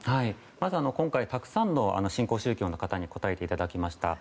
まず、今回たくさんの新興宗教の方に答えていただきました。